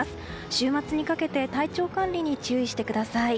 週末にかけて体調管理に注意してください。